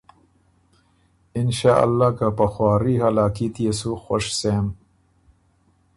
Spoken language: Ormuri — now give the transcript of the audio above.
انشاء اللۀ که په خواري هلاکي تيې سُو خؤش سېم